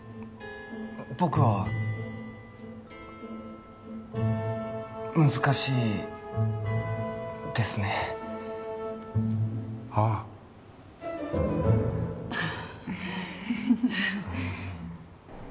僕は難しいですねああはは